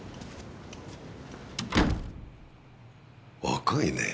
若いね。